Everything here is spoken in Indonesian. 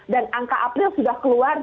dan angka april sudah keluar